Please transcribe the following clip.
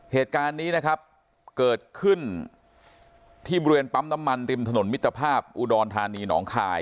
เหตุการณ์นี้นะครับเกิดขึ้นที่บริเวณปั๊มน้ำมันริมถนนมิตรภาพอุดรธานีหนองคาย